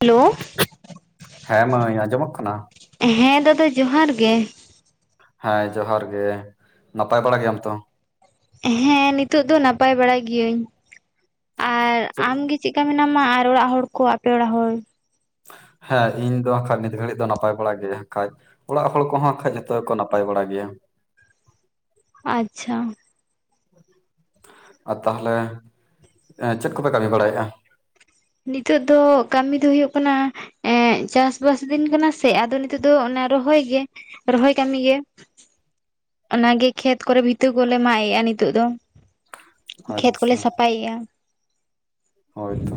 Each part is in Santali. ᱦᱮᱞᱳ᱾ ᱦᱮᱸ ᱢᱟᱹᱭ ᱟᱸᱡᱚᱢᱚᱜ ᱠᱟᱱᱟ? ᱦᱮᱸ ᱫᱟᱫᱟ ᱡᱚᱸᱦᱟᱨ ᱜᱮ᱾ ᱦᱮᱸ ᱡᱚᱸᱦᱟᱨ ᱜᱮ, ᱱᱟᱯᱟᱭ ᱵᱟᱲᱟ ᱜᱮᱭᱟᱢ ᱛᱚ? ᱦᱮᱸ ᱱᱤᱛᱳᱜ ᱫᱚ ᱱᱟᱯᱟᱭ ᱵᱟᱲᱟ ᱜᱤᱭᱟᱹᱧ ᱟᱨ ᱪᱮᱫ- ᱟᱢᱜᱮ? ᱪᱮᱫᱠᱟ ᱢᱮᱱᱟᱢᱟ ᱟᱨ ᱚᱲᱟᱜ ᱦᱚᱲ ᱠᱚ ᱟᱯᱮ ᱚᱲᱟᱜ ᱦᱚᱲ? ᱦᱮᱸ ᱤᱧ ᱫᱚ ᱦᱟᱸᱜᱠᱷᱟᱡ ᱱᱤᱛ ᱜᱷᱟᱹᱲᱤᱡ ᱫᱚ ᱱᱟᱯᱟᱭ ᱵᱟᱲᱟ ᱜᱮ ᱦᱟᱸᱜᱠᱷᱟᱡ᱾ ᱚᱲᱟᱜ ᱦᱚᱲ ᱠᱚᱦᱚᱸ ᱦᱟᱸᱜᱠᱷᱟᱡ ᱡᱷᱚᱛᱚ ᱜᱮᱠᱚ ᱱᱟᱯᱟᱭ ᱵᱟᱲᱟ ᱜᱮᱭᱟ᱾ ᱟᱪᱪᱷᱟ᱾ ᱟᱨ ᱛᱟᱦᱚᱞᱮ ᱮᱸ ᱪᱮᱫ ᱠᱚᱯᱮ ᱠᱟᱹᱢᱤ ᱵᱟᱲᱟᱭᱮᱜᱼᱟ? ᱱᱤᱛᱚᱜ ᱫᱚ ᱠᱟᱹᱢᱤ ᱫᱚ ᱦᱩᱭᱩᱜᱭ ᱠᱟᱱᱟ ᱮᱸᱜ ᱪᱟᱥᱵᱟᱥ ᱫᱤᱱ ᱠᱟᱱᱟ ᱥᱮ ᱟᱫᱚ ᱱᱤᱛᱚᱜ ᱫᱚ ᱚᱱᱟ ᱨᱚᱦᱚᱭ ᱜᱮ ᱨᱚᱦᱚᱭ ᱠᱟᱹᱢᱤ ᱜᱮ᱾ ᱚᱱᱟᱜᱮ ᱠᱷᱮᱛ ᱠᱚᱨᱮ ᱵᱷᱤᱛᱟᱹ ᱠᱚᱞᱮ ᱢᱟᱜ ᱮᱜᱼᱟ ᱱᱤᱛᱚᱜ ᱫᱚ᱾ ᱠᱷᱮᱛ ᱠᱚᱞᱮ ᱟᱪᱪᱷᱟ ᱥᱟᱯᱷᱟᱭᱮᱜᱼᱟ᱾ ᱦᱳᱭᱛᱚ,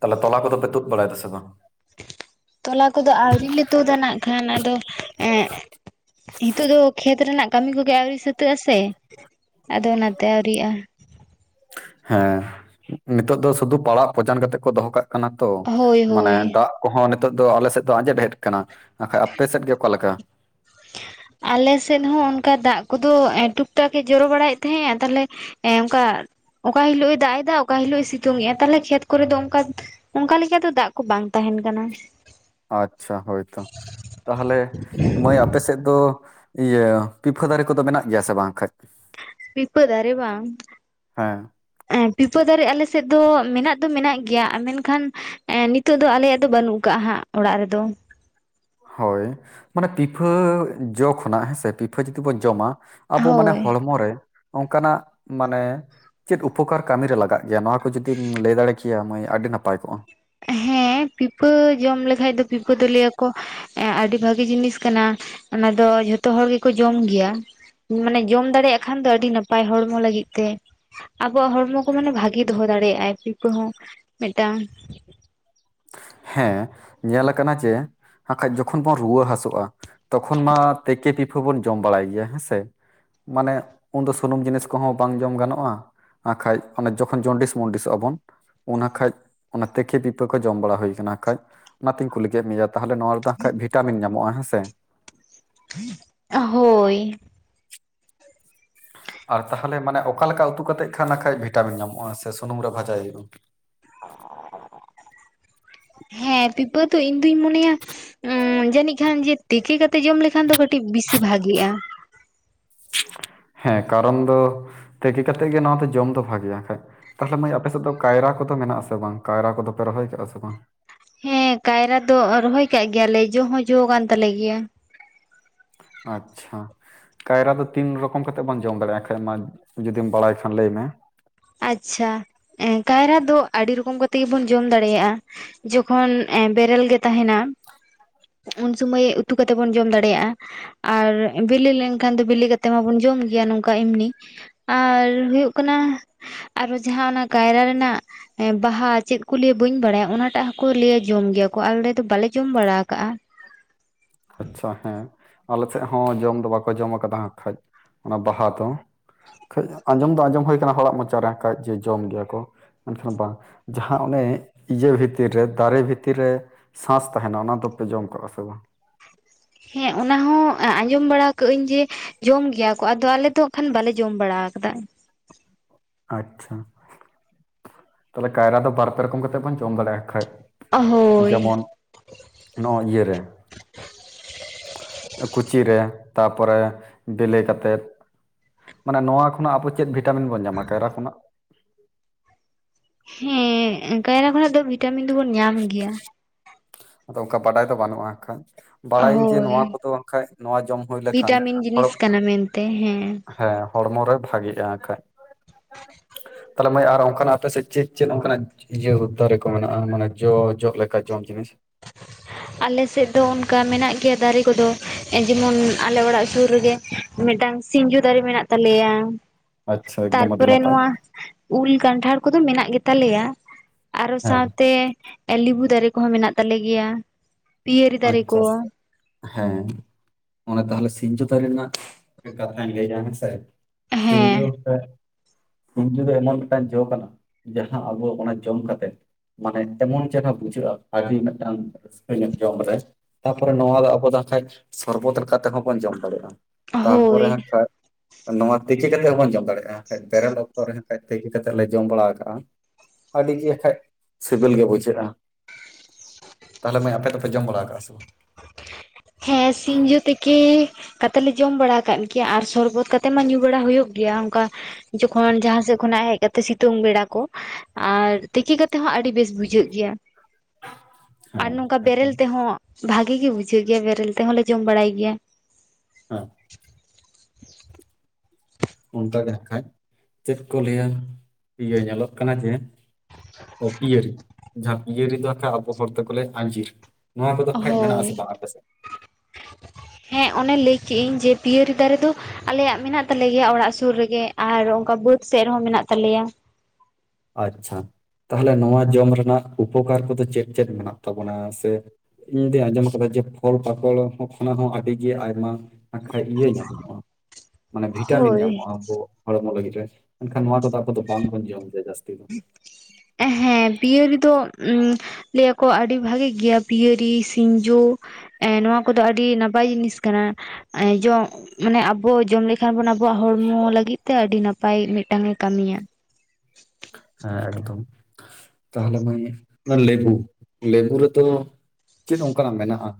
ᱛᱟᱞᱦᱮ ᱛᱚᱞᱟ ᱠᱚᱫᱚ ᱯᱮ ᱛᱩᱫ ᱵᱟᱲᱟᱭ ᱫᱟ ᱥᱮ ᱵᱟᱝ? ᱛᱚᱞᱟ ᱠᱚᱫᱚ ᱟᱹᱣᱨᱤ ᱞᱮ ᱛᱩᱫᱟ ᱱᱟᱜ ᱠᱷᱟᱱ ᱟᱫᱚ ᱮᱸ ᱦᱤᱛᱳᱜ ᱫᱚ ᱠᱷᱮᱛ ᱨᱮᱱᱟᱜ ᱠᱟᱹᱢᱤ ᱠᱚᱜᱮ ᱟᱹᱣᱨᱤ ᱥᱟᱹᱛᱟᱹᱜ-ᱟ ᱥᱮ ᱟᱫᱚ ᱚᱱᱟᱛᱮ ᱟᱹᱣᱨᱤᱭᱟᱜᱼᱟ᱾ ᱦᱮᱸ, ᱱᱤᱛᱚᱜ ᱫᱚ ᱥᱩᱫᱷᱩ ᱯᱟᱲᱟᱜ ᱯᱚᱪᱟᱱ ᱠᱟᱛᱮᱫ ᱠᱚ ᱫᱚᱦᱚ ᱠᱟᱜ ᱠᱟᱱᱟ ᱛᱚ, ᱦᱳᱭ ᱢᱟᱱᱮ ᱦᱳᱭ ᱫᱟᱜ ᱠᱚᱦᱚᱸ ᱱᱤᱛᱚᱜ ᱫᱚ ᱟᱞᱮᱥᱮᱫ ᱫᱚ ᱟᱸᱡᱮᱫ ᱦᱮᱡ ᱟᱠᱟᱱᱟ ᱾ ᱱᱟᱠᱷᱟᱡ ᱟᱯᱮᱥᱮᱫ ᱜᱮ ᱚᱠᱟᱮᱠᱟ? ᱟᱞᱮ ᱥᱮᱫ ᱦᱚᱸ ᱚᱱᱠᱟ ᱫᱟᱜ ᱠᱚᱫᱚ ᱴᱩᱠᱴᱟᱠ ᱮ ᱡᱚᱨᱚ ᱵᱟᱲᱟᱭᱮᱫ ᱛᱟᱦᱮᱸᱜᱼᱟ ᱾ ᱛᱟᱞᱦᱮ ᱮ ᱚᱱᱠᱟ, ᱚᱠᱟ ᱦᱤᱞᱳᱜ ᱮ ᱫᱟᱜ ᱮᱫᱟ ᱚᱠᱟ ᱦᱤᱞᱳᱜ ᱮ ᱥᱤᱛᱩᱝ ᱮᱼᱟ, ᱛᱟᱦᱞᱮ ᱠᱷᱮᱛ ᱠᱚᱨᱮ ᱫᱚ ᱚᱱᱠᱟ ᱚᱱᱠᱟ ᱞᱮᱠᱟ ᱫᱚ ᱫᱟᱜ ᱠᱚ ᱵᱟᱝ ᱛᱟᱦᱮᱱ ᱠᱟᱱᱟ ᱾ ᱟᱪᱪᱷᱟ ᱦᱳᱭ ᱦᱳᱭ ᱛᱟᱦᱚᱞᱮ ᱢᱟᱹᱭ ᱟᱯᱮ ᱥᱮᱫ ᱫᱚ ᱤᱭᱟᱹ ᱯᱤᱯᱟᱹ ᱫᱟᱨᱮ ᱠᱚᱫᱚ ᱢᱮᱱᱟᱜ ᱜᱮᱭᱟ ᱥᱮ ᱵᱟᱝ ᱟᱸᱠᱷᱟᱡ? ᱯᱤᱯᱟᱹ ᱫᱟᱨᱮ ᱵᱟᱝ ᱦᱮᱸ [inaudible] ᱯᱤᱯᱟᱹ ᱫᱟᱨᱮ ᱟᱞᱮ ᱥᱮᱫ ᱫᱚ ᱢᱮᱱᱟᱜ ᱫᱚ ᱢᱮᱱᱟᱜ ᱜᱮᱭᱟ, ᱢᱮᱱᱠᱷᱟᱱ ᱮᱸ ᱱᱤᱛᱚᱜ ᱫᱚ ᱟᱞᱮᱭᱟᱜ ᱫᱚ ᱵᱟᱹᱱᱩᱜ ᱠᱟᱜ ᱦᱟᱸᱜ ᱚᱲᱟᱜ ᱨᱮᱫᱚ ᱾ ᱦᱳᱭ ᱢᱟᱱᱮ ᱯᱤᱯᱷᱟᱹ ᱡᱚ ᱠᱷᱚᱱᱟᱜ ᱦᱮᱸᱥᱮ, ᱯᱤᱷᱟᱹ ᱡᱩᱫᱤ ᱵᱚᱱ ᱡᱚᱢᱟ ᱾ ᱟᱵᱚ ᱢᱟᱱᱮ ᱦᱳᱭ ᱦᱚᱲᱢᱚ ᱨᱮ, ᱚᱱᱠᱟᱱᱟᱜ ᱢᱟᱱᱮ ᱪᱮᱫ ᱩᱯᱚᱠᱟᱨ ᱠᱟᱹᱢᱤ ᱨᱮ ᱞᱟᱜᱟᱜ ᱜᱮᱭᱟ ᱠᱚ ᱡᱩᱫᱤᱢ ᱞᱟᱹᱭ ᱫᱟᱲᱮ ᱠᱮᱭᱟ ᱢᱟᱹᱭ ᱟᱹᱰᱤ ᱱᱟᱯᱟᱭ ᱠᱚᱜᱼᱟ ᱾ ᱦᱮᱸ ᱯᱤᱯᱟᱹ ᱡᱚᱢ ᱞᱮᱠᱷᱟᱡ ᱫᱚ ᱯᱤᱯᱟᱹ ᱫᱚ ᱞᱟᱹᱭᱟᱠᱚ ᱮᱸ ᱟᱹᱰᱤ ᱵᱷᱟᱹᱜᱤ ᱡᱤᱱᱤᱥ ᱠᱟᱱᱟ, ᱚᱱᱟ ᱫᱚ ᱡᱷᱚᱛᱚ ᱦᱚᱲ ᱜᱮᱠᱚ ᱡᱚᱢ ᱜᱮᱭᱟ ᱾ ᱢᱟᱱᱮ ᱡᱚᱢ ᱫᱟᱲᱮᱭᱟᱜ ᱠᱷᱟᱱ ᱫᱚ ᱟᱹᱰᱤ ᱱᱟᱯᱟᱭ ᱦᱚᱲᱢᱚ ᱞᱟᱹᱜᱤᱫ ᱛᱮ ᱾ ᱟᱵᱚᱣᱟᱜ ᱦᱚᱲᱢᱚ ᱠᱚ ᱢᱟᱱᱮ ᱵᱷᱟᱜᱤ ᱫᱚᱦᱚ ᱫᱟᱲᱮᱭᱟᱜᱟᱭ ᱯᱤᱨᱯᱟᱹ ᱦᱚᱸ, ᱢᱤᱫᱴᱟᱝ ᱦᱮᱸ ᱧᱮᱞ ᱟᱠᱟᱱᱟ ᱡᱮ ᱦᱟᱸᱠᱷᱟᱡ ᱡᱚᱠᱷᱚᱱ ᱵᱚᱱ ᱨᱩᱣᱟᱹ ᱦᱟᱹᱥᱩᱜᱼᱟ ᱾ ᱛᱚᱠᱷᱚᱱ ᱢᱟ ᱛᱮᱠᱮ ᱯᱤᱯᱩ ᱵᱚᱱ ᱡᱚᱢ ᱵᱟᱲᱟᱭ ᱜᱮᱭᱟ ᱦᱮᱸᱥᱮ ᱾ ᱢᱟᱱᱮ ᱩᱱᱫᱚ ᱥᱩᱱᱩᱢ ᱡᱤᱱᱤᱥ ᱠᱚᱦᱚᱸ ᱵᱟᱝ ᱡᱚᱢ ᱜᱟᱱᱚᱜᱼᱟ ᱾ ᱦᱟᱸᱠᱷᱟᱡ ᱚᱱᱟ ᱡᱚᱠᱷᱚᱱ ᱡᱚᱱᱰᱤᱥ ᱢᱚᱱᱰᱤᱥᱚᱜᱼᱟ, ᱵᱚᱱ ᱚᱱᱟ ᱠᱷᱟᱱᱡ ᱚᱱᱟ ᱛᱮᱠᱮ ᱯᱤᱯᱟᱹ ᱠᱚ ᱡᱚᱢ ᱵᱟᱲᱟ ᱦᱩᱭ ᱟᱠᱟᱱᱟ ᱦᱟᱸᱠᱷᱟᱡ ᱾ ᱚᱱᱟᱛᱮᱧ ᱠᱩᱞᱤ ᱠᱮᱫ ᱢᱮᱭᱟ ᱛᱟᱦᱚᱞᱮ ᱱᱚᱣᱟ ᱨᱮᱫᱚ ᱦᱟᱸᱠᱷᱟᱡ ᱵᱷᱤᱴᱟᱢᱤᱱ ᱧᱟᱢᱚᱜᱼᱟ ᱦᱮᱸ ᱥᱮ ᱾ [unintelligible] ᱦᱳᱭ ᱟᱨ ᱛᱟᱦᱚᱞᱮ ᱢᱟᱱᱮ ᱚᱠᱟ ᱞᱮᱠᱟ ᱩᱛᱩ ᱠᱟᱛᱮ ᱮᱫ ᱠᱷᱟᱱ ᱚᱱᱟ ᱦᱟᱸᱠᱷᱟᱡ ᱵᱷᱤᱴᱟᱢᱤᱱ ᱧᱟᱢᱚᱜᱼᱟ? ᱥᱮ ᱥᱩᱱᱩᱢ ᱵᱷᱟᱡᱟᱭ ᱦᱩᱭᱩᱜᱼᱟ ᱾ [unintelligible] ᱦᱮᱸ ᱯᱤᱯᱟᱹ ᱫᱚ ᱤᱧ ᱫᱩᱧ ᱢᱚᱱᱮᱭᱟ ᱡᱟᱹᱱᱤᱡ ᱠᱷᱟᱱ ᱡᱮ ᱛᱤᱠᱤ ᱠᱟᱛᱮᱜ ᱡᱚᱢ ᱞᱮᱠᱷᱟᱱ ᱫᱚ ᱠᱟᱹᱴᱤᱡ ᱵᱤᱥᱤ ᱵᱷᱟᱜᱤᱜᱼᱟ ᱾ ᱦᱮᱸ ᱠᱟᱨᱚᱱ ᱫᱚ ᱛᱤᱠᱤ ᱠᱟᱛᱮᱫ ᱜᱮ ᱱᱚᱣᱟ ᱫᱚ ᱡᱚᱢ ᱫᱚ ᱵᱷᱟᱜᱮᱭᱟ ᱦᱟᱸᱠᱷᱟᱡ ᱾ ᱛᱟᱦᱚᱞᱮ ᱢᱟᱹᱭ ᱟᱯᱮ ᱥᱮᱫ ᱫᱚ ᱠᱟᱭᱨᱟ ᱠᱚᱫᱚ ᱢᱮᱱᱟᱜ ᱟᱥ ᱵᱟᱝ? ᱠᱟᱭᱨᱟ ᱠᱚᱫᱚ ᱯᱮ ᱨᱚᱦᱚᱭ ᱠᱟᱜᱼᱟ ᱥᱮ ᱵᱟᱝ? ᱦᱮᱸ ᱠᱟᱭᱨᱟ ᱫᱚ ᱨᱚᱦᱚᱭ ᱠᱟᱜ ᱜᱮᱭᱟᱞᱮ ᱡᱚ ᱦᱚᱸ ᱡᱚ ᱠᱟᱱ ᱛᱟᱞᱮ ᱜᱮᱭᱟ ᱾ ᱟᱪᱪᱷᱟ [unintelligible] ᱠᱟᱭᱨᱟ ᱫᱚ ᱛᱤᱱ ᱨᱚᱠᱚᱢ ᱠᱟ ᱠᱟᱛᱮᱫ ᱵᱚᱱ ᱡᱚᱢ ᱫᱟᱲᱮᱭᱟᱜᱼᱟ? ᱮᱱᱠᱷᱟᱡ ᱢᱟ ᱡᱩᱫᱤᱢ ᱵᱟᱲᱟᱭ ᱠᱷᱟᱱ ᱞᱟᱹᱭ ᱢᱮ ᱾ ᱟᱪᱪᱷᱟ, ᱠᱟᱭᱨᱟ ᱫᱚ ᱟᱹᱰᱤ ᱨᱚᱠᱚᱢ ᱠᱟᱛᱮ ᱜᱮᱵᱚᱱ ᱡᱚᱢ ᱫᱟᱲᱮᱭᱟᱜᱼᱟ ᱾ ᱡᱚᱠᱷᱚᱱ ᱮ ᱵᱮᱨᱮᱞ ᱜᱮ ᱛᱟᱦᱮᱱᱟ ᱩᱱ ᱥᱩᱢᱟᱹᱭ ᱩᱛᱩ ᱠᱟᱛᱮᱫ ᱵᱚᱱ ᱡᱚᱢ ᱫᱟᱲᱮᱭᱟᱜᱼᱟ ᱾ ᱟᱨ ᱵᱤᱞᱤ ᱞᱮᱱᱠᱷᱟᱱ ᱫᱚ ᱵᱤᱞᱤ ᱠᱟᱛᱮᱜ ᱢᱟᱵᱚᱱ ᱡᱚᱢ ᱜᱮᱭᱟ ᱱᱚᱝᱠᱟ ᱮᱢᱱᱤ ᱾ ᱟᱨ ᱦᱩᱭᱩᱜ ᱠᱟᱱᱟ ᱟᱨ ᱡᱟᱦᱟᱸ ᱚᱱᱟ ᱠᱟᱭᱨᱟ ᱨᱮᱱᱟᱜ ᱵᱟᱦᱟ ᱪᱮᱫ ᱠᱚ ᱞᱟᱹᱭᱼᱟ ᱵᱟᱹᱧ ᱵᱟᱲᱟᱭᱟ, ᱚᱱᱟᱴᱟᱜ ᱦᱚᱸᱠᱚ ᱞᱟᱹᱭᱟᱠᱚ ᱡᱚᱢ ᱜᱮᱭᱟ ᱠᱚ ᱟᱞᱮ ᱫᱚ ᱵᱟᱞᱮ ᱡᱚᱢ ᱵᱟᱲᱟ ᱠᱟᱜᱼᱟ ᱾ ᱟᱪᱪᱷᱟ ᱦᱮᱸ ᱟᱞᱮ ᱥᱮᱫ ᱦᱚᱸ ᱡᱚᱢ ᱫᱚ ᱵᱟᱠᱚ ᱡᱚᱢ ᱠᱟᱫᱟ, ᱦᱟᱸᱜ ᱠᱷᱟᱱᱡ ᱚᱱᱟ ᱵᱟᱦᱟ ᱫᱚ ᱾ ᱠᱷᱟᱡ ᱡᱚᱢ ᱫᱚ ᱟᱸᱡᱚᱢ ᱦᱩᱭ ᱟᱠᱟᱱᱟ ᱦᱚᱲᱟᱜ ᱢᱚᱪᱟ ᱨᱮ ᱠᱷᱟᱱ ᱡᱮ ᱡᱚᱢ ᱜᱮᱭᱟ ᱠᱚ ᱾ ᱢᱮᱱᱠᱷᱟᱱ ᱵᱟᱝ ᱡᱟᱦᱟᱸ ᱚᱱᱮ ᱤᱭᱟᱹ ᱵᱷᱤᱛᱤᱨ ᱨᱮ ᱫᱟᱨᱮ ᱵᱷᱤᱛᱤᱨ ᱨᱮ ᱥᱟᱸᱥ ᱛᱟᱦᱮᱱᱟ, ᱚᱱᱟ ᱫᱚᱯᱮ ᱡᱚᱢ ᱠᱟᱜᱼᱟ ᱥᱮ ᱵᱟᱝ? ᱦᱮᱸ ᱚᱱᱟ ᱦᱚᱸ ᱟᱸᱡᱚᱢ ᱵᱟᱲᱟ ᱠᱟᱜ ᱟᱹᱧ ᱡᱮ ᱡᱚᱢ ᱜᱮᱭᱟ ᱠᱚ, ᱟᱫᱚ ᱟᱞᱮ ᱫᱚ ᱦᱟᱸᱠᱷᱟᱡ ᱵᱟᱞᱮ ᱡᱚᱢ ᱵᱟᱲᱟ ᱟᱠᱟᱫᱟ ᱾ ᱟᱪᱪᱷᱟ ᱛᱟᱦᱞᱮ ᱠᱟᱭᱨᱟ ᱫᱚ ᱵᱟᱨᱯᱮ ᱨᱚᱠᱚᱢ ᱠᱟᱛᱮᱜ ᱵᱚᱱ ᱡᱚᱢ ᱫᱟᱲᱮᱭᱟᱜᱼᱟ ᱟᱸᱠᱷᱟᱡ ᱾ ᱦᱳᱭ ᱡᱮᱢᱚᱱ ᱱᱚᱜᱼᱚ ᱤᱭᱟᱹ ᱨᱮ ᱠᱩᱪᱤᱨᱮ ᱛᱟᱯᱚᱨᱮ ᱵᱮᱞᱤ ᱠᱟᱛᱮᱛ ᱾ ᱢᱟᱱᱮ ᱱᱚᱣᱟ ᱠᱷᱚᱱᱟᱜ ᱟᱵᱚ ᱪᱮᱫ ᱵᱷᱤᱴᱟᱢᱤᱱ ᱵᱚᱱ ᱧᱟᱢᱟ ᱠᱟᱭᱨᱟ ᱠᱷᱚᱱᱟᱜ? ᱦᱮᱸ ᱠᱟᱭᱨᱟ ᱠᱷᱚᱱᱟᱜ ᱫᱚ ᱵᱷᱤᱴᱟᱢᱤᱱ ᱫᱚᱵᱚᱱ ᱧᱟᱢ ᱜᱮᱭᱟ ᱾ ᱟᱫᱚ ᱚᱱᱠᱟ ᱵᱟᱰᱟᱭ ᱫᱚ ᱵᱟᱹᱱᱩᱜᱼᱟ ᱠᱷᱟᱡ ᱾ ᱵᱟᱲᱟᱭᱟᱹᱧ ᱡᱮ ᱦᱳᱭ ᱱᱚᱣᱟ ᱠᱚᱫᱚ ᱟᱸᱠᱷᱟᱡ ᱱᱚᱣᱟ ᱡᱚᱢ ᱦᱩᱭ ᱞᱮᱠᱷᱟᱱ ᱵᱷᱤᱴᱟᱢᱤᱱ ᱦᱚᱲ ᱡᱤᱱᱤᱥ ᱠᱟᱱᱟ ᱢᱮᱱᱛᱮ ᱦᱮᱸ ᱦᱮᱸ ᱦᱚᱲᱢᱚ ᱨᱮ ᱵᱷᱟᱜᱮᱼᱟ ᱟᱸᱠᱷᱟᱡ᱾ ᱛᱟᱦᱞᱮ ᱢᱟᱹᱭ ᱟᱨ ᱚᱱᱠᱟᱱᱟᱜ ᱟᱯᱮ ᱥᱮᱫ ᱪᱮᱫ ᱪᱮᱫ ᱚᱝᱠᱟᱱᱟᱜ ᱤᱭᱟᱹ ᱫᱟᱨᱮ ᱠᱚ ᱢᱮᱱᱟᱜᱼᱟ ᱢᱟᱱᱮ ᱡᱚ ᱡᱚᱜ ᱞᱮᱠᱟ ᱡᱚᱢ ᱡᱤᱱᱤᱥ? ᱟᱞᱮ ᱥᱮᱫ ᱫᱚ ᱚᱱᱠᱟ ᱢᱮᱱᱟᱜ ᱜᱮᱭᱟ ᱫᱟᱨᱮ ᱠᱚᱫᱚ ᱡᱮᱢᱚᱱ ᱟᱞᱮ ᱚᱲᱟᱜ ᱥᱩᱨ ᱨᱮᱜᱮ ᱢᱤᱫᱴᱟᱝ ᱥᱤᱸᱡᱩ ᱫᱟᱨᱮ ᱢᱮᱱᱟᱜ ᱛᱟᱞᱮᱭᱟ᱾ ᱟᱪᱪᱷᱟ ᱮᱠᱫᱚᱢ ᱟᱹᱰᱤ ᱛᱟᱨᱯᱚᱨᱮ ᱱᱟᱯᱟᱭ ᱱᱚᱣᱟ ᱩᱞ ᱠᱟᱱᱴᱷᱟᱲ ᱠᱚᱫᱚ ᱢᱮᱱᱟᱜ ᱜᱮ ᱛᱟᱞᱮᱭᱟ᱾ ᱟᱨᱚ ᱦᱮᱸ ᱥᱟᱶᱛᱮ ᱞᱤᱵᱩ ᱫᱟᱨᱮ ᱠᱚᱦᱚᱸ ᱢᱮᱱᱟᱜ ᱛᱟᱞᱮ ᱜᱮᱭᱟ᱾ ᱯᱤᱭᱟᱹᱨᱤ ᱫᱟᱨᱮ ᱠᱚ ᱟᱪᱪᱷᱟᱥ᱾ ᱦᱮᱸ ᱚᱱᱮ ᱛᱟᱦᱚᱞᱮ ᱥᱤᱸᱡᱚ ᱫᱟᱨᱮ ᱨᱮᱱᱟᱜ ᱠᱟᱛᱷᱟᱧ ᱞᱟᱹᱭᱟ ᱦᱮᱸᱥᱮ᱾ ᱥᱤᱸᱡᱩ ᱦᱮᱸ ᱥᱮᱸ ᱥᱤᱸᱡᱩ ᱫᱚ ᱮᱢᱚᱱ ᱢᱤᱫᱴᱟᱝ ᱡᱚ ᱠᱟᱱᱟ ᱡᱟᱦᱟᱸ ᱟᱵᱚ ᱚᱱᱟ ᱡᱚᱢ ᱠᱟᱛᱮᱛ ᱢᱟᱱᱮ ᱮᱢᱚᱱ ᱪᱮᱦᱨᱟ ᱵᱩᱡᱷᱟᱹᱜᱼᱟ ᱟᱹᱰᱤ ᱢᱤᱫᱴᱟᱝ ᱨᱟᱹᱥᱠᱟᱹ ᱧᱚᱜ᱾ ᱡᱚᱢ ᱨᱮ ᱛᱟᱯᱚᱨᱮ ᱱᱚᱣᱟ ᱫᱚ ᱟᱵᱚ ᱫᱚ ᱟᱠᱷᱟᱡ ᱥᱚᱨᱵᱚᱛ ᱞᱮᱠᱟ ᱛᱮᱦᱚᱸ ᱵᱚᱱ ᱡᱚᱢ ᱫᱟᱲᱮᱭᱟᱜᱼᱟ᱾ ᱦᱳᱭ ᱛᱟᱨᱯᱚᱨᱮ ᱦᱟᱸᱠᱷᱟᱡ ᱱᱚᱣᱟ ᱛᱤᱠᱤ ᱠᱟᱛᱮ ᱦᱚᱸᱵᱚᱱ ᱡᱚᱢ ᱫᱟᱲᱮᱭᱟᱜᱼᱟ, ᱵᱟᱠᱷᱟᱡ ᱵᱮᱨᱮᱞ ᱚᱠᱛᱚ ᱨᱮᱦᱚ ᱠᱷᱟᱡ ᱛᱤᱠᱤ ᱠᱟᱛᱮᱫ ᱞᱮ ᱡᱚᱢ ᱵᱟᱲᱟ ᱟᱠᱟᱜᱼᱟ᱾ ᱟᱹᱰᱤ ᱜᱮ ᱠᱷᱟᱡ ᱥᱤᱵᱤᱞ ᱜᱮ ᱵᱩᱡᱷᱟᱹᱜ-ᱟ ᱛᱟᱦᱞᱮ ᱢᱟᱹᱭ ᱟᱯᱮ ᱫᱚ ᱡᱚᱢ ᱵᱟᱲᱟ ᱟᱠᱟᱜᱼᱟ ᱥᱮ ᱵᱟᱝ? ᱦᱮᱸ ᱥᱤᱸᱡᱚ ᱛᱮᱠᱮ ᱠᱟᱛᱮᱜ ᱞᱮ ᱡᱚᱢ ᱵᱟᱲᱟ ᱠᱟᱜ ᱜᱮᱭᱟ ᱟᱨ ᱥᱚᱨᱵᱚᱛ ᱠᱟᱛᱮᱜ ᱢᱟ ᱧᱩ ᱵᱟᱲᱟ ᱦᱩᱭᱩᱜ ᱜᱮᱭᱟ ᱚᱝᱠᱟ ᱡᱚᱠᱷᱚᱱ ᱡᱟᱦᱟᱸ ᱥᱮᱡ ᱠᱷᱚᱱᱟᱜ ᱦᱮᱡ ᱠᱟᱛ ᱥᱤᱛᱩᱝ ᱵᱮᱲᱟ ᱠᱚ ᱟᱨ ᱛᱤᱠᱤ ᱠᱟᱛᱮᱫ ᱦᱚᱸ ᱟᱹᱰᱤ ᱵᱮᱥ ᱵᱩᱡᱷᱟᱹᱜ ᱜᱮᱭᱟ᱾ ᱟᱨ ᱦᱮᱸ ᱱᱚᱝᱠᱟ ᱮᱠᱫᱚᱢ ᱵᱮᱨᱮᱞ ᱛᱮᱦᱚᱸ ᱵᱷᱟᱜᱮ ᱜᱮ ᱵᱩᱡᱷᱟᱹᱣ ᱜᱮᱭᱟ ᱵᱮᱨᱮᱞ ᱛᱮᱦᱚᱸᱞᱮ ᱡᱚᱢ ᱵᱟᱲᱟᱭ ᱜᱮᱭᱟ᱾ ᱦᱮᱸ ᱚᱱᱠᱟ ᱜᱮ ᱟᱜᱠᱷᱟᱡ ᱪᱮᱫ ᱠᱚ ᱞᱟᱹᱭᱟ ᱤᱭᱟᱹ ᱧᱮᱞᱚᱜ ᱠᱟᱱᱟ ᱡᱮ ᱚᱸ ᱯᱤᱭᱟᱹᱨᱤ ᱡᱟᱦᱟᱸ ᱯᱤᱭᱟᱹᱨᱤ ᱫᱚ ᱟᱸᱠᱷᱟᱡ ᱟᱵᱚ ᱦᱚᱲ ᱛᱮᱠᱚ ᱞᱟᱹᱭᱟ ᱟᱸᱡᱤᱨ᱾ ᱱᱚᱣᱟ ᱠᱚᱫᱚ ᱠᱷᱟᱡ ᱢᱮᱱᱟᱜ ᱦᱳᱭ ᱟᱥᱮ ᱵᱟᱝ ᱟᱯᱮ ᱥᱮᱫ ᱦᱮᱸ ᱚᱱᱮ ᱞᱟᱹᱭ ᱠᱮᱜ ᱟᱹᱧ ᱡᱮ ᱯᱤᱭᱟᱹᱨᱤ ᱫᱟᱨᱮ ᱫᱚ ᱟᱞᱮᱭᱟᱜ ᱢᱮᱱᱟᱜ ᱛᱟᱞᱮ ᱜᱮᱭᱟ ᱚᱲᱟᱜ ᱥᱩᱨ ᱨᱮᱜᱮ ᱟᱨ ᱚᱱᱠᱟ ᱵᱟᱹᱫᱽ ᱥᱮᱜ ᱨᱮᱦᱚᱸ ᱢᱮᱱᱟᱜ ᱛᱟᱞᱮᱭᱟ᱾ ᱟᱪᱪᱷᱟ, ᱛᱟᱦᱟᱞᱮ ᱱᱚᱣᱟ ᱡᱚᱢ ᱨᱮᱱᱟᱜ ᱩᱯᱚᱠᱟᱨ ᱠᱚᱫᱚ ᱪᱮᱫ ᱪᱮᱫ ᱢᱮᱱᱟᱜ ᱛᱟᱵᱚᱱᱟ ᱥᱮ ᱤᱧ ᱫᱩᱧ ᱟᱸᱡᱚᱢ ᱟᱠᱟᱫᱟ ᱡᱮ ᱯᱷᱚᱞ ᱯᱟᱠᱚᱞ ᱠᱷᱚᱱᱟᱜ ᱦᱚᱸ ᱟᱹᱰᱤ ᱜᱮᱭᱟ ᱟᱭᱢᱟ ᱟᱸᱠᱷᱟᱡ ᱤᱭᱟᱹ ᱧᱟᱢᱚᱜᱼᱟ ᱢᱟᱱᱮ ᱵᱷᱤᱴᱟᱢᱤᱱ ᱦᱳᱭ᱾ ᱧᱟᱢᱚᱜᱼᱟ ᱟᱵᱚ ᱦᱚᱲᱢᱚ ᱞᱟᱹᱜᱤᱫ ᱨᱮ ᱢᱮᱱᱠᱷᱟᱱ ᱱᱚᱣᱟ ᱠᱚᱫᱚ ᱠᱚᱫᱚ ᱵᱟᱝ ᱵᱚᱱ ᱡᱚᱢ ᱫᱟ ᱡᱟᱹᱥ ᱮᱸ ᱦᱮᱸ ᱯᱤᱭᱟᱹᱨᱤ ᱫᱚ ᱩᱸ ᱞᱟᱹᱭᱟ ᱠᱚ ᱟᱹᱰᱤ ᱵᱷᱟᱜᱤ ᱜᱮᱭᱟ ᱯᱤᱭᱟᱹᱨᱤ ᱥᱤᱸᱡᱳ ᱮᱸ ᱱᱚᱣᱟ ᱠᱚᱫᱚ ᱟᱹᱰᱤ ᱱᱟᱯᱟᱭ ᱡᱤᱱᱤᱥ ᱠᱟᱱᱟ ᱮ ᱡᱚ ᱢᱟᱱᱮ ᱟᱵᱚ ᱡᱚᱢ ᱞᱮᱠᱷᱟᱱ ᱵᱩᱱ ᱟᱵᱩᱣᱟᱜ ᱦᱚᱲᱢᱚ ᱞᱟᱹᱜᱤᱫ ᱛᱮ ᱟᱹᱰᱤ ᱱᱟᱯᱟᱭ ᱢᱤᱫᱴᱟᱝ ᱮ ᱠᱟᱹᱢᱤᱭᱟ᱾ ᱦᱮᱸ ᱮᱠᱫᱚᱢ ᱛᱟᱦᱞᱮ ᱢᱟᱹᱭ ᱚᱱᱟ ᱞᱮᱵᱩ ᱞᱮᱵᱩ ᱨᱮ ᱛᱚ ᱪᱮᱫ ᱚᱱᱠᱟᱱᱟᱜ ᱢᱮᱱᱟᱜᱼᱟ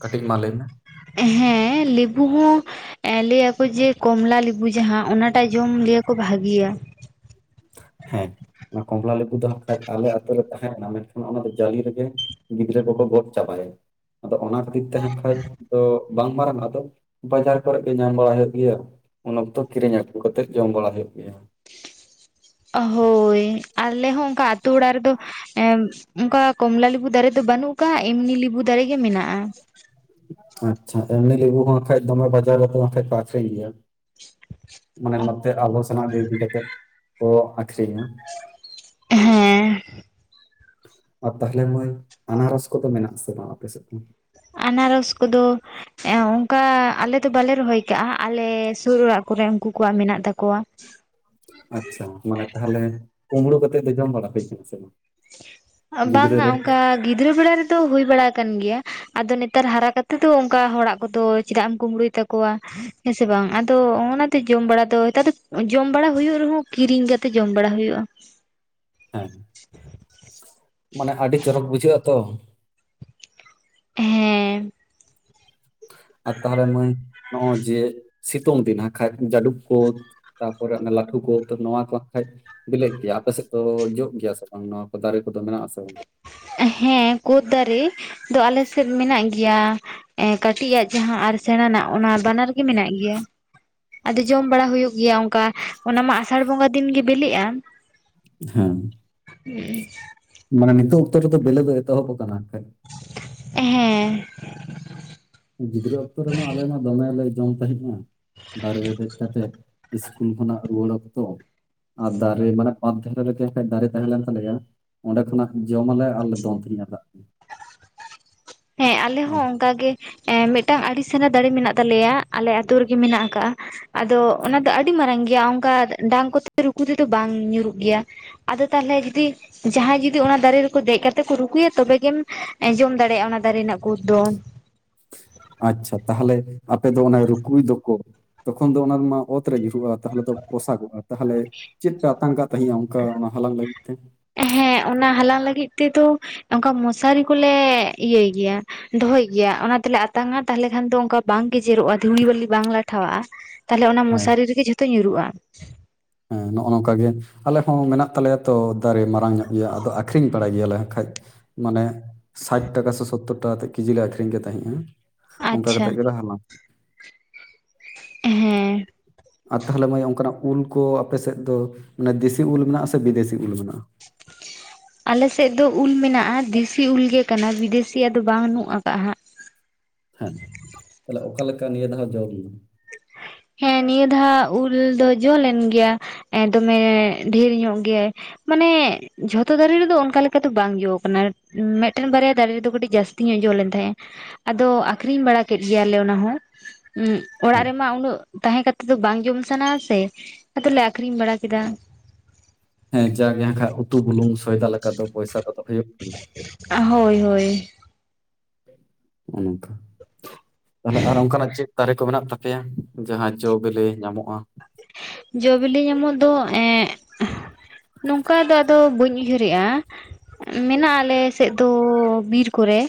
ᱠᱟᱹᱴᱤᱡ ᱢᱟ ᱞᱟᱹᱭ ᱢᱮ? ᱦᱮᱸ ᱞᱮᱵᱩ ᱦᱚᱸ ᱮᱸ ᱞᱟᱹᱭᱟ ᱠᱚ ᱡᱮ ᱠᱚᱢᱞᱟ ᱞᱮᱵᱩ ᱡᱟᱦᱟᱸ ᱚᱱᱟᱴᱟᱜ ᱡᱚᱢ ᱞᱟᱹᱭᱟ ᱠᱚ ᱵᱷᱟᱜᱤᱭᱟ᱾ ᱦᱮᱸ ᱚᱱᱟ ᱠᱚᱢᱞᱟ ᱞᱮᱵᱩ ᱫᱚ ᱦᱟᱸᱜ ᱠᱷᱟᱡ ᱟᱞᱮ ᱟᱛᱳ ᱨᱮ ᱛᱟᱦᱮᱸ ᱞᱮᱱᱟ ᱢᱮᱱᱠᱷᱟᱱ ᱚᱱᱟ ᱫᱚ ᱡᱟᱞᱤ ᱨᱮᱜᱮ ᱜᱤᱫᱽᱨᱟᱹ ᱠᱚᱠᱚ ᱜᱚᱫ ᱪᱟᱵᱟᱭᱟ, ᱟᱫᱚ ᱚᱱᱟ ᱠᱷᱟᱹᱛᱤᱨ ᱛᱮ ᱦᱟᱸᱜ ᱠᱷᱟᱡ ᱫᱚ ᱵᱟᱝ ᱢᱟᱨᱟᱝᱚᱜᱼᱟ ᱟᱫᱚ᱾ ᱵᱟᱡᱟᱨ ᱠᱚᱨᱮ ᱜᱮ ᱧᱟᱢ ᱵᱟᱲᱟ ᱦᱩᱭᱩᱜ ᱜᱮᱭᱟ, ᱩᱱ ᱚᱠᱛᱚ ᱠᱤᱨᱤᱧ ᱟᱹᱜᱩ ᱠᱟᱛᱮᱫ ᱡᱚᱢ ᱵᱟᱲᱟ ᱦᱩᱭᱩᱜ ᱜᱮᱭᱟ᱾ ᱦᱳᱭ ᱟᱞᱮ ᱦᱚᱸ ᱚᱱᱠᱟ ᱟᱹᱛᱩ ᱚᱲᱟᱜ ᱨᱮᱫᱚ ᱮᱸ ᱚᱱᱠᱟ ᱠᱚᱢᱞᱟ ᱞᱮᱵᱩ ᱫᱟᱨᱮ ᱫᱚ ᱵᱟᱹᱱᱩᱜ ᱟᱠᱟᱜ-ᱟ ᱮᱢᱱᱤ ᱞᱤᱵᱩ ᱫᱟᱨᱮ ᱜᱮ ᱢᱮᱱᱟᱜ-ᱟ᱾ ᱟᱪᱪᱷᱟ ᱮᱢᱱᱤ ᱞᱮᱵᱩ ᱦᱚ ᱦᱟᱸᱜ ᱠᱷᱟᱡ ᱫᱚᱢᱮ ᱵᱟᱡᱟᱨ ᱨᱮᱛᱚ ᱦᱟᱠᱷᱟᱡ ᱠᱚ ᱟᱠᱷᱨᱤᱧ ᱜᱮᱭᱟ᱾ ᱢᱟᱱᱮ ᱱᱚᱛᱮ ᱟᱵᱚ ᱥᱮᱱᱟᱜ ᱜᱮ ᱤᱫᱤ ᱠᱟᱛᱮᱫ ᱠᱚ ᱟᱠᱷᱨᱤᱧᱟ᱾ ᱦᱮᱸ ᱟᱨ ᱛᱟᱦᱚᱞᱮ ᱢᱟᱹᱭ ᱟᱱᱟᱨᱚᱥ ᱠᱚᱫᱚ ᱢᱮᱱᱟᱜ-ᱟ ᱥᱮ ᱵᱟᱝ ᱟᱯᱮ ᱥᱮᱫ [inaudible] ᱟᱱᱟᱨᱚᱥ ᱠᱚᱫᱚ ᱮᱸ ᱚᱝᱠᱟ ᱟᱞᱮ ᱫᱚ ᱵᱟᱞᱮ ᱨᱚᱦᱚᱭ ᱠᱟᱜᱼᱟ ᱟᱞᱮ ᱥᱩᱨ ᱚᱲᱟᱜ ᱠᱚᱨᱮ ᱩᱝᱠᱩ ᱠᱚᱣᱟᱜ ᱢᱮᱱᱟᱜ ᱛᱟᱠᱚᱣᱟ᱾ ᱟᱪᱪᱷᱟ ᱢᱟᱱᱮ ᱛᱟᱦᱚᱞᱮ ᱠᱩᱢᱵᱲᱩ ᱠᱟᱛᱮᱜ ᱫᱚ ᱡᱚᱢ ᱵᱟᱲᱟ ᱦᱩᱭ ᱠᱟᱱᱟ ᱥᱮ ᱵᱟᱝ? ᱟᱸ ᱜᱤᱫᱽᱨᱟᱹ ᱵᱟᱝᱟ ᱨᱮ? ᱚᱱᱠᱟ ᱜᱤᱫᱽᱨᱟᱹ ᱵᱮᱲᱟ ᱨᱮᱫᱚ ᱦᱩᱭ ᱵᱟᱲᱟ ᱠᱟᱱ ᱜᱮᱭᱟ᱾ ᱟᱫᱚ ᱱᱮᱛᱟᱨ ᱦᱟᱨᱟ ᱠᱟᱛᱮ ᱫᱚ ᱚᱱᱠᱟ ᱦᱚᱲᱟᱜ ᱠᱚᱫᱚ ᱪᱮᱫᱟᱜ ᱮᱢ ᱠᱩᱢᱵᱽᱲᱩᱭ ᱛᱟᱠᱚᱣᱟ᱾ ᱦᱮᱸ ᱥᱮ ᱵᱟᱝ? ᱟᱫᱚ ᱚᱱᱟᱛᱮ ᱡᱚᱢ ᱵᱟᱲᱟ ᱫᱚ ᱦᱮᱛᱟᱨ ᱫᱟ ᱡᱚᱢ ᱵᱟᱲᱟ ᱦᱩᱭᱩᱜ ᱨᱮᱦᱚᱸ ᱠᱤᱨᱤᱧ ᱠᱟᱛᱮ ᱡᱚᱢ ᱵᱟᱲᱟ ᱦᱩᱭᱩᱜᱼᱟ᱾ ᱦᱮᱸ, ᱢᱟᱱᱮ ᱟᱹᱰᱤ ᱪᱚᱨᱚᱠ ᱵᱩᱡᱷᱟᱹᱜ-ᱟ ᱛᱚ᱾ ᱦᱮᱸ᱾ ᱟᱨ ᱛᱟᱦᱚᱞᱮ ᱢᱟᱹᱭ ᱱᱚᱜᱼᱚᱭ ᱡᱮ ᱥᱤᱛᱩᱝ ᱫᱤᱱ ᱦᱟᱸᱠᱷᱟᱡ ᱡᱟᱹᱰᱩᱵ ᱠᱳᱛ ᱛᱟᱯᱚᱨᱮ ᱚᱱᱟ ᱞᱟᱹᱴᱷᱩ ᱠᱳᱛ ᱱᱚᱣᱟ ᱠᱚ ᱦᱟᱸᱠᱷᱟᱡ ᱵᱮᱞᱮᱜ ᱜᱮᱭᱟ ᱟᱯᱮ ᱥᱮᱫ ᱫᱚ ᱡᱚᱜ ᱜᱮᱭᱟ ᱥᱮ ᱵᱟᱝ ᱱᱚᱣᱟ ᱠᱚ ᱫᱟᱨᱮ ᱠᱚᱫᱚ ᱢᱮᱱᱟᱜ-ᱟ ᱥᱮ ᱵᱟᱝ? ᱦᱮᱸ ᱠᱳᱫ ᱫᱟᱨᱮ ᱫᱚ ᱟᱞᱮ ᱥᱮᱫ ᱢᱮᱱᱟᱜ ᱜᱮᱭᱟ ᱮᱸ ᱠᱟᱹᱴᱤᱡᱟᱜ ᱡᱟᱦᱟᱸ ᱟᱨ ᱥᱮᱬᱟᱱᱟᱜ ᱚᱱᱟ ᱵᱟᱱᱟᱨ ᱜᱮ ᱢᱮᱱᱟᱜ ᱜᱮᱭᱟ ᱟᱫᱚ ᱡᱚᱢ ᱵᱟᱲᱟ ᱦᱩᱭᱩᱜ ᱜᱮᱭᱟ ᱚᱱᱠᱟ ᱚᱱᱟ ᱢᱟ ᱟᱥᱟᱲ ᱵᱚᱸᱜᱟ ᱫᱤᱱ ᱜᱮ ᱵᱮᱞᱮᱜᱼᱟ᱾ ᱦᱮᱸ᱾ ᱦᱩᱸᱜ-ᱩ᱾ ᱢᱟᱱᱮ ᱱᱤᱛᱚᱜ ᱚᱠᱛᱚ ᱨᱮᱫᱚ ᱵᱮᱞᱮ ᱫᱚ ᱮᱛᱚᱦᱚᱵ ᱠᱟᱱᱟ ᱦᱟᱸᱠᱷᱟᱡ᱾ ᱦᱮᱸ᱾ ᱜᱤᱫᱽᱨᱟᱹ ᱚᱠᱛᱚ ᱨᱮᱢᱟ ᱟᱞᱮ ᱢᱟ ᱫᱚᱢᱮᱞᱮ ᱡᱚᱢ ᱛᱟᱦᱮᱸᱜ-ᱟ᱾ ᱫᱟᱨᱮ ᱨᱮ ᱫᱮᱡ ᱠᱟᱛᱮᱫ ᱤᱥᱠᱩᱞ ᱠᱷᱚᱱᱟᱜ ᱨᱩᱣᱟᱹᱲ ᱚᱠᱛᱚ᱾ ᱟᱨ ᱫᱟᱨᱮ ᱢᱟᱱᱮ ᱵᱟᱸᱱᱫᱷ ᱫᱷᱟᱨᱮ ᱨᱮᱜᱮ ᱦᱟᱸᱠᱷᱟᱡ ᱫᱟᱨᱮ ᱛᱟᱦᱮᱞᱮᱱ ᱛᱟᱞᱮᱭᱟ᱾ ᱚᱸᱰᱮ ᱠᱷᱚᱱᱟᱜ ᱡᱚᱢ ᱟᱞᱮ ᱟᱨᱞᱮ ᱫᱚᱱ ᱛᱟᱦᱮᱜᱼᱟ ᱫᱟᱜ ᱦᱮᱸ ᱟᱞᱮ ᱚ, ᱦᱚᱸ ᱚᱱᱠᱟ ᱜᱮ᱾ ᱮᱸ ᱢᱤᱫᱴᱟᱝ ᱟᱲᱤ ᱥᱮᱬᱟ ᱫᱟᱨᱮ ᱢᱮᱱᱟᱜ ᱛᱟᱞᱮᱭᱟ ᱟᱞᱮ ᱟᱹᱛᱩ ᱨᱮᱜᱮ ᱢᱮᱱᱟᱜ ᱟᱠᱟᱜ-ᱟ᱾ ᱟᱫᱚ ᱚᱱᱟ ᱫᱚ ᱟᱹᱰᱤ ᱢᱟᱨᱟᱝ ᱜᱮᱭᱟ ᱚᱱᱠᱟ ᱰᱟᱝ ᱠᱚᱛᱮ ᱨᱩᱠᱩ ᱛᱮᱫᱚ ᱵᱟᱝ ᱧᱩᱨᱩᱜ ᱜᱮᱭᱟ᱾ ᱟᱫᱚ ᱛᱟᱞᱦᱮ ᱡᱩᱫᱤ ᱡᱟᱦᱟᱸᱭ ᱡᱩᱫᱤ ᱚᱱᱟ ᱫᱟᱨᱮ ᱨᱮᱠᱚ ᱫᱮᱡ ᱠᱟᱛᱮᱫ ᱠᱚ ᱨᱩᱠᱩᱭᱟ ᱛᱚᱵᱮᱜᱮᱢ ᱮᱸ ᱡᱚᱢ ᱫᱟᱲᱮᱭᱟᱜᱼᱟ ᱚᱱᱟ ᱫᱟᱨᱮ ᱨᱮᱱᱟᱜ ᱠᱩᱫ ᱫᱚ᱾ ᱟᱪᱪᱷᱟ ᱛᱟᱦᱚᱞᱮ ᱟᱯᱮ ᱫᱚ ᱚᱱᱮ ᱨᱩᱠᱩᱭ ᱫᱚᱠᱚ ᱛᱚᱠᱷᱚᱱ ᱫᱚ ᱚᱱᱟᱨᱮᱢᱟ ᱚᱛ ᱨᱮ ᱧᱩᱨᱩᱜᱼᱟ᱾ ᱛᱟᱦᱚᱞᱮ ᱛᱚ ᱯᱚᱥᱟᱜᱚᱜᱼᱟ ᱛᱟᱦᱚᱞᱮ ᱪᱮᱫᱯᱮ ᱟᱛᱟᱝ ᱠᱟᱜ ᱛᱟᱦᱮᱸᱜ-ᱟ ᱚᱱᱠᱟ ᱚᱱᱟ ᱦᱟᱞᱟᱝ ᱞᱟᱹᱜᱤᱫ ᱛᱮ? ᱦᱮᱸ ᱚᱱᱟ ᱦᱟᱞᱟᱝ ᱞᱟᱹᱜᱤᱫ ᱛᱮᱫᱚ ᱚᱝᱠᱟ ᱢᱚᱥᱟᱨᱤ ᱠᱚᱞᱮ ᱤᱭᱟᱹᱭ ᱜᱮᱭᱟ᱾ ᱫᱚᱦᱚᱭ ᱜᱮᱭᱟ ᱚᱱᱟ ᱛᱮᱞᱮ ᱟᱛᱟᱝᱟ ᱛᱟᱦᱞᱮ ᱠᱷᱟᱱ ᱫᱚ ᱚᱱᱠᱟ ᱵᱟᱝ ᱜᱮᱡᱮᱨᱚᱜᱼᱟ ᱫᱷᱩᱲᱤ ᱵᱟᱹᱞᱤ ᱵᱟᱝ ᱞᱟᱴᱷᱟᱣᱟᱜᱼᱟ᱾ ᱛᱟᱞᱦᱮ ᱚᱱᱟ ᱦᱮᱸ ᱢᱚᱥᱟᱨᱤ ᱨᱮᱜᱮ ᱡᱷᱚᱛᱚ ᱧᱩᱨᱩᱜᱼᱟ᱾ ᱦᱮᱸ ᱱᱚᱜᱼᱚ ᱱᱚᱝᱠᱟᱜᱮ ᱟᱞᱮ ᱦᱚᱸ ᱢᱮᱱᱟᱜ ᱛᱟᱞᱮᱭᱟ ᱛᱚ ᱫᱟᱨᱮ ᱢᱟᱨᱟᱝ ᱧᱚᱜ ᱜᱮᱭᱟ ᱟᱫᱚ ᱟᱠᱷᱨᱤᱧ ᱵᱟᱲᱟᱭ ᱜᱮᱭᱟᱞᱮ ᱮᱱᱠᱟᱡ᱾ ᱢᱟᱱᱮ, ᱥᱟᱮᱴ ᱴᱟᱠᱟ ᱥᱮ ᱥᱳᱛᱛᱳᱚᱨ ᱴᱟᱠᱟ ᱠᱟᱛᱮᱫ ᱠᱮᱡᱤᱞ ᱞᱮ ᱟᱠᱷᱨᱤᱧ ᱠᱮᱫ ᱛᱟᱦᱮᱸᱫᱼᱟ, ᱚᱱᱠᱟ ᱠᱟ ᱟᱪᱪᱷᱟ ᱠᱟᱛᱮᱫ ᱜᱮᱞᱮ ᱦᱟᱞᱟᱝ [unintelligible] ᱦᱮᱸ ᱟᱨ ᱛᱟᱦᱚᱞᱮ ᱢᱟᱹᱭ ᱚᱱᱠᱟᱱᱟᱜ ᱩᱞ ᱠᱚ ᱟᱯᱮ ᱥᱮᱫ ᱫᱚ ᱢᱟᱱᱮ ᱫᱮᱥᱤ ᱩᱞ ᱢᱮᱱᱟᱜᱼᱟ ᱥᱮ ᱵᱤᱫᱮᱥᱤ ᱩᱞ ᱢᱮᱱᱟᱜᱼᱟ? [inaudible] ᱟᱞᱮᱥᱮᱫ ᱫᱚ ᱩᱞ ᱢᱮᱱᱟᱜᱼᱟ, ᱫᱮᱥᱤ ᱩᱞ ᱜᱮ ᱠᱟᱱᱟ ᱵᱤᱫᱮᱥᱤᱭᱟᱜ ᱫᱚ ᱵᱟᱝ ᱱᱩᱜ ᱠᱟ ᱦᱟᱸᱜ᱾ ᱦᱮᱸ ᱛᱟᱦᱚᱞᱮ ᱚᱠᱟ ᱞᱮᱠᱟ ᱱᱤᱭᱟᱹ ᱫᱷᱟᱣ ᱡᱚ ᱞᱮᱱᱟ? ᱦᱮᱸ ᱱᱤᱭᱟᱹ ᱫᱷᱟ ᱩᱞ ᱫᱚ ᱡᱚ ᱞᱮᱱ ᱜᱮᱭᱟ ᱮ ᱫᱚᱢᱮ ᱰᱷᱮᱨ ᱧᱚᱜ ᱜᱮ᱾ ᱢᱟᱱᱮ ᱡᱷᱚᱛᱚ ᱫᱟᱨᱮ ᱨᱮᱫᱚ ᱚᱱᱠᱟ ᱞᱮᱠᱟ ᱫᱚ ᱵᱟᱝ ᱡᱚ ᱠᱟᱱᱟ᱾ ᱢᱮᱫᱴᱮᱱ ᱵᱟᱨᱭᱟ ᱫᱟᱨᱮ ᱨᱮᱫᱚ ᱠᱟᱹᱴᱤᱡ ᱡᱟᱹᱥᱛᱤ ᱧᱚᱜ ᱡᱚ ᱞᱮᱱ ᱛᱟᱦᱮᱸᱼᱟ᱾ ᱟᱫᱚ ᱟᱠᱷᱨᱤᱧ ᱵᱟᱲᱟ ᱠᱮᱫ ᱜᱮᱭᱟᱞᱮ ᱚᱱᱟᱦᱚᱸ᱾ ᱚᱲᱟᱜ ᱦᱮᱸ ᱨᱮᱢᱟ ᱩᱱᱟᱹᱜ ᱛᱟᱦᱮᱸ ᱠᱟᱛᱮᱫ ᱫᱚ ᱵᱟᱝ ᱡᱚᱢ ᱥᱟᱱᱟ ᱟ ᱥᱮ, ᱟᱫᱚᱞᱮ ᱟᱠᱷᱨᱤᱧ ᱵᱟᱲᱟ ᱠᱮᱫᱟ᱾ ᱦᱮᱸ ᱡᱟᱜᱮ ᱟᱠᱷᱟᱡ ᱩᱛᱩ ᱵᱩᱞᱩᱝ ᱥᱚᱭᱫᱟ ᱞᱮᱠᱟ ᱫᱚ ᱯᱚᱭᱥᱟ ᱠᱚᱫᱚ ᱦᱩᱭᱩᱜ ᱜᱮᱭᱟ᱾ ᱟᱸᱜ ᱦᱳᱭ ᱦᱳᱭ᱾ [unintelligible] ᱛᱟᱦᱚᱞᱮ ᱟᱨ ᱚᱱᱠᱟᱱᱟᱜ ᱪᱮᱫ ᱫᱟᱨᱮ ᱠᱚ ᱢᱮᱱᱟᱜ ᱛᱟᱯᱮᱭᱟ ᱡᱟᱦᱟᱸ ᱡᱚ ᱵᱤᱞᱤ ᱧᱟᱢᱚᱜᱼᱟ? ᱡᱚᱼᱵᱤᱞᱤ ᱧᱟᱢᱚᱜ ᱫᱚ ᱮᱜ, ᱱᱚᱝᱠᱟ ᱫᱚ ᱟᱫᱚ ᱵᱟᱹᱧ ᱩᱭᱦᱟᱹᱨᱮᱫᱼᱟ᱾ ᱢᱮᱱᱟᱜᱼᱟ ᱟᱞᱮ ᱥᱮᱫ ᱫᱚ ᱵᱤᱨ ᱠᱚᱨᱮ,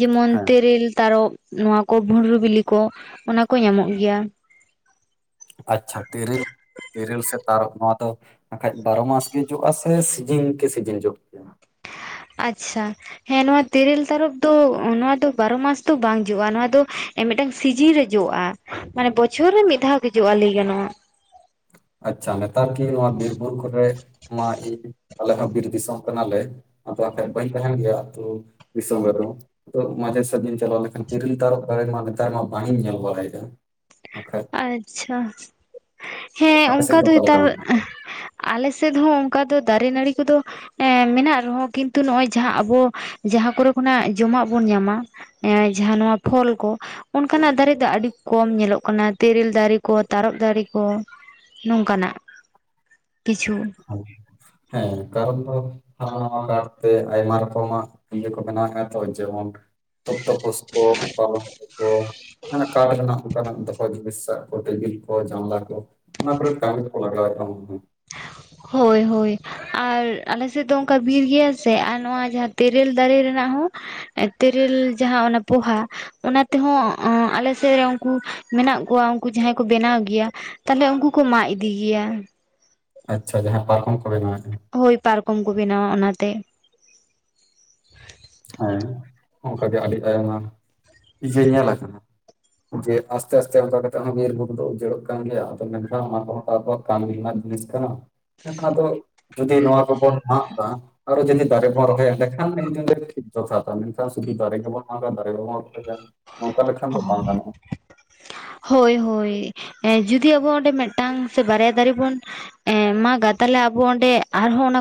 ᱡᱮᱢᱚᱱ ᱦᱮᱸ ᱛᱮᱨᱮᱞ ᱛᱟᱨᱚᱵ ᱱᱚᱣᱟ ᱠᱚ ᱵᱷᱩᱸᱰᱨᱩ ᱵᱤᱞᱤ ᱠᱚ, ᱚᱱᱟ ᱠᱚ ᱧᱟᱢᱚᱜ ᱜᱮᱭᱟ᱾ ᱟᱪᱪᱷᱟ ᱛᱮᱨᱮᱞ ᱛᱮᱨᱮᱞ ᱥᱮ ᱛᱟᱨᱚᱵ ᱱᱚᱣᱟ ᱫᱚ ᱟᱠᱷᱟᱡ ᱵᱟᱨᱚ ᱢᱟᱥ ᱜᱮ ᱡᱚᱜᱼᱟ ᱥᱮ ᱥᱤᱡᱤᱱ ᱠᱮ ᱥᱤᱡᱤᱱ ᱡᱚᱜ ᱜᱮᱭᱟ, ᱟᱪᱪᱷᱟ, ᱦᱮᱸ ᱱᱚᱣᱟ ᱛᱮᱨᱮᱞ ᱛᱟᱨᱚᱯ ᱫᱚ ᱱᱚᱣᱟ ᱫᱚ ᱵᱟᱨᱚ ᱢᱟᱥ ᱫᱚ ᱵᱟᱝ ᱡᱚᱜᱼᱟ, ᱱᱚᱣᱟ ᱫᱚ ᱢᱤᱫᱴᱟᱝ ᱥᱤᱡᱤᱱ ᱨᱮ ᱡᱚᱜᱼᱟ᱾ ᱢᱟᱱᱮ ᱵᱚᱪᱷᱚᱨ ᱨᱮ ᱢᱤᱫ ᱫᱷᱟᱣ ᱜᱮ ᱡᱚᱜᱼᱟ ᱞᱟᱹᱭ ᱜᱟᱱᱚᱜᱼᱟ᱾ ᱟᱪᱪᱷᱟ ᱱᱮᱛᱟᱨ ᱠᱤ ᱱᱚᱣᱟ ᱵᱤᱨ ᱵᱩᱨᱩ ᱠᱚᱨᱮ ᱢᱟ ᱟᱞᱮ ᱦᱚᱸ ᱵᱤᱨ ᱫᱤᱥᱚᱢ ᱠᱟᱱᱟᱞᱮ, ᱟᱫᱚ ᱠᱷᱟᱡ ᱵᱟᱹᱧ ᱛᱟᱦᱮᱱ ᱜᱮᱭᱟ ᱟᱛᱩ ᱫᱤᱥᱚᱢ ᱨᱮᱫᱚ, ᱟᱫᱚ ᱢᱟᱡᱷᱮ ᱥᱟᱡᱷᱮᱧ ᱪᱟᱞᱟᱣ ᱞᱮᱱᱠᱷᱟᱱ ᱛᱤᱨᱤᱞ ᱛᱟᱨᱚᱵ ᱫᱟᱨᱮ ᱢᱟ ᱱᱮᱛᱟᱨ ᱢᱟ ᱵᱟᱹᱧ ᱤᱧ ᱧᱮᱞ ᱵᱟᱲᱟᱭᱮᱫᱟ, ᱟᱠᱷᱟᱡ [unintelligible] ᱟᱪᱪᱷᱟ, ᱦᱮᱸ ᱟᱯᱮ ᱥᱮᱫ ᱚᱱᱠᱟ ᱫᱚ ᱚᱠᱟ ᱞᱮᱠᱟ ᱱᱮᱛᱟᱨ ᱢᱮᱱᱟᱜᱼᱟ? ᱟᱞᱮ ᱥᱮᱫ ᱦᱚᱸ ᱚᱱᱠᱟ ᱫᱚ ᱫᱟᱨᱮ ᱱᱟᱹᱲᱤ ᱠᱚᱫᱚ ᱮ ᱢᱮᱱᱟᱜ ᱨᱮᱦᱚᱸ ᱠᱤᱱᱛᱩ ᱱᱚᱜᱼᱚᱭ ᱡᱟᱦᱟ ᱟᱵᱚ ᱡᱟᱦᱟ ᱠᱚᱨᱮ ᱠᱷᱚᱱᱟᱜ ᱡᱚᱢᱟᱜ ᱵᱚᱱ ᱧᱟᱢᱟ, ᱮ ᱡᱟᱦᱟ ᱱᱚᱣᱟ ᱯᱷᱚᱞ ᱠᱚ ᱚᱱᱠᱟᱱᱟᱜ ᱫᱟᱨᱮ ᱫᱚ ᱟᱹᱰᱤ ᱠᱚᱢ ᱧᱮᱞᱚᱜ ᱠᱟᱱᱟ᱾ ᱛᱮᱨᱮᱞ ᱫᱟᱨᱮ ᱠᱚ ᱛᱟᱨᱚᱵ ᱫᱟᱨᱮ ᱠᱚ ᱱᱚᱝᱠᱟᱱᱟᱜ, ᱠᱤᱪᱷᱩ ᱦᱮᱸ ᱠᱟᱨᱚᱱ ᱫᱚ [unintelligible] ᱦᱟ ᱚᱴᱟᱨ ᱛᱮ ᱟᱭᱢᱟ ᱨᱚᱠᱚᱢᱟᱜ ᱤᱭᱟᱹ ᱠᱚ ᱵᱮᱱᱟᱣᱮᱫᱼᱟ, ᱛᱚ ᱡᱮᱢᱚᱱ ᱛᱳ ᱛᱚᱯᱥ ᱠᱚ ᱯᱟᱞᱚᱝ ᱠᱷᱚ ᱠᱚ ᱢᱟᱱᱮ ᱠᱟᱴ ᱨᱮᱱᱟᱜ ᱚᱱᱠᱟᱱᱟᱜ ᱫᱚ ᱚᱛ ᱵᱤᱥᱟᱜ ᱠᱚ ᱴᱤᱵᱤᱞ ᱠᱚ ᱡᱟᱱᱞᱟ ᱠᱚ ᱚᱱᱟ ᱠᱚᱨᱮ ᱠᱟᱹᱢᱤ ᱨᱮᱠᱚ ᱞᱟᱜᱟᱣᱮᱫ, [unintelligible] ᱦᱳᱭ ᱦᱳᱭ ᱟᱨ ᱟᱞᱮ ᱥᱮᱫ ᱫᱚ ᱚᱱᱠᱟ ᱵᱤᱨ ᱜᱮᱭᱟ ᱥᱮ ᱟᱨ ᱱᱚᱣᱟ ᱡᱟᱦᱟ, ᱛᱮᱨᱮᱞ ᱫᱟᱨᱮ ᱨᱮᱱᱟᱜ ᱦᱚ ᱛᱮᱨᱮᱞ ᱡᱟᱦᱟ ᱚᱱᱟ ᱯᱚᱦᱟ ᱚᱱᱟ ᱛᱮᱦᱚ ᱟᱞᱮ ᱥᱮᱫ ᱨᱮ ᱩᱱᱠᱩ ᱢᱮᱱᱟᱜ ᱠᱚᱣᱟ ᱩᱱᱠᱩ ᱡᱟᱦᱟᱸᱭ ᱠᱚ ᱵᱮᱱᱟᱣ ᱜᱮᱭᱟ, ᱛᱟᱦᱞᱮ ᱩᱱᱠᱩ ᱠᱚ ᱢᱟᱜ ᱤᱫᱤ ᱜᱮᱭᱟ᱾ ᱟᱪᱪᱷᱟ ᱡᱟᱦᱟ ᱯᱟᱨᱠᱚᱢ ᱠᱚ ᱵᱮᱱᱟᱣᱮᱫ, ᱦᱳᱭ ᱯᱟᱨᱠᱚᱢ ᱠᱚ ᱵᱮᱱᱟᱣᱟ ᱚᱱᱟᱛᱮ᱾ ᱦᱮᱸ ᱚᱱᱠᱟ ᱜᱮ ᱟᱹᱰᱤ ᱟᱭᱢᱟ ᱤᱭᱟᱹ ᱧᱮᱞ ᱟᱠᱟᱱᱟ᱾ ᱡᱮ ᱟᱥᱛᱮ ᱟᱥᱛᱮ ᱚᱱᱠᱟ ᱠᱟᱛᱮ ᱦᱚᱸ ᱵᱤᱨ ᱵᱩᱨᱩ ᱫᱚ ᱩᱡᱟᱹᱲᱲᱚᱜ ᱠᱟᱱ ᱜᱮᱭᱟ ᱟᱫᱚ ᱢᱮᱱᱠᱷᱟᱱ ᱚᱱᱟ ᱠᱚᱦᱚ ᱛᱟᱨᱯᱟᱨ ᱠᱟᱹᱢᱤ ᱨᱮᱱᱥᱜ ᱢᱤᱫᱴᱟᱝ ᱡᱤᱱᱤᱥ ᱠᱟᱱᱟ᱾ ᱢᱮᱱᱠᱷᱟᱱ ᱟᱫᱚ ᱡᱩᱫᱤ ᱱᱚᱣᱟ ᱠᱚᱵᱚᱱ ᱢᱟᱜ ᱫᱟ ᱟᱨᱚ ᱡᱩᱫᱤ ᱫᱟᱨᱮ ᱵᱚᱱ ᱨᱚᱦᱚᱭᱟ ᱮᱸᱰᱮ ᱠᱷᱟᱱ ᱤᱧ ᱫᱩᱧ ᱞᱟᱹᱭ ᱡᱚᱛᱷᱟᱛᱟ ᱢᱮᱱᱠᱷᱟᱱ ᱥᱩᱫᱤ ᱫᱟᱨᱮ ᱜᱮᱵᱚᱱ ᱢᱟᱜᱟ, ᱫᱟᱨᱮ ᱜᱮᱵᱚᱱ ᱨᱚᱦᱚᱭᱟ ᱱᱚᱝᱠᱟ ᱞᱮᱠᱷᱟᱱ ᱫᱚ ᱵᱟᱝ ᱜᱟᱱᱚᱜᱼᱟ᱾ ᱦᱳᱭ ᱦᱳᱭ ᱮᱸ ᱡᱩᱫᱤ ᱟᱵᱚ ᱚᱸᱰᱮ ᱢᱤᱫᱴᱟᱝ ᱥᱮ ᱵᱟᱨᱭᱟ ᱫᱟᱨᱮ ᱵᱚᱱ ᱮᱸ ᱢᱟᱜᱟ ᱛᱟᱦᱚᱞᱮ ᱟᱵᱚ ᱚᱸᱰᱮ ᱟᱨᱦᱚᱸ ᱚᱱᱟ ᱠᱚ